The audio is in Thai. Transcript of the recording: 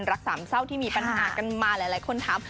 รักสามเศร้าที่มีปัญหากันมาหลายคนถาม